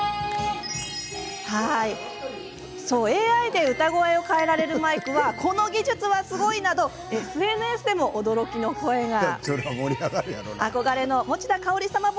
ＡＩで歌声を変えられるマイクはこの技術はすごい！などＳＮＳでも驚きの声が。